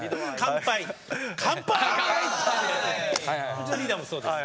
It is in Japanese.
うちのリーダーもそうです。